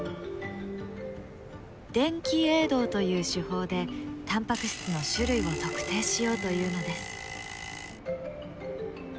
電気泳動という手法でタンパク質の種類を特定しようというのです。